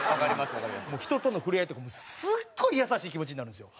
人との触れ合いとかもすごい優しい気持ちになるんですよ。